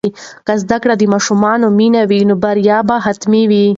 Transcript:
که زده کړه د ماشومانو مینه وي، نو بریا به حتمي وي.